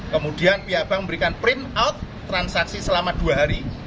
kemudian pihak bank memberikan print out transaksi selama dua hari